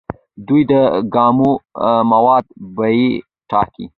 دوی د خامو موادو بیې ټاکي.